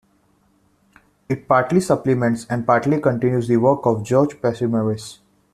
It partly supplements and partly continues the work of George Pachymeres.